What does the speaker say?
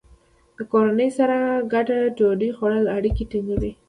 د کورنۍ سره ګډه ډوډۍ خوړل اړیکې ټینګوي.